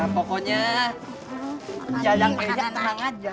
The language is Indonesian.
pokoknya jalan pengennya tenang aja